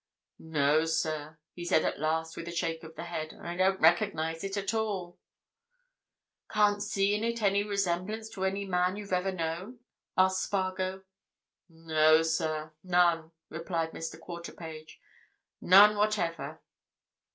"No, sir," he said at last with a shake of the head. "I don't recognize it at all." "Can't see in it any resemblance to any man you've ever known?" asked Spargo. "No, sir, none!" replied Mr. Quarterpage. "None whatever."